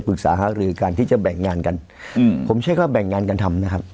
การหารือกันที่จะแบ่งงานกันอืมผมใช้คำว่าแบ่งงานกันทำนะครับ